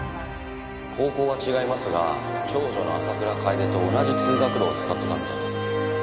高校は違いますが長女の浅倉楓と同じ通学路を使ってたみたいです。